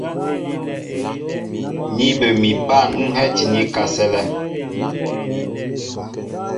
Ni bə mi pân ń hɛ́ti ní kasɛ́lɛ.